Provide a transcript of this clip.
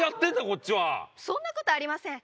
こっちはそんなことありません